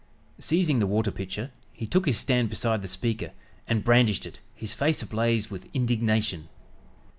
Seizing the water pitcher he took his stand beside the speaker, and brandished it, his face ablaze with indignation.